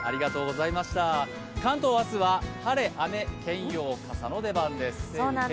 関東、明日は晴れ雨兼用傘の出番です。